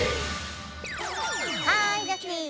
ハーイジャスティン！